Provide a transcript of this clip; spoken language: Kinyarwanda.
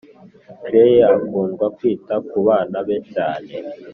claire akunda kwita kubana be cyane